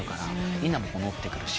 みんなも乗ってくるし。